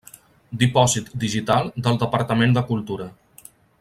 Dipòsit Digital del Departament de Cultura.